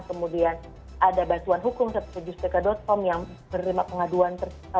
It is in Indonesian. kemudian ada bacuan hukum tujuh belas steka com yang menerima pengaduan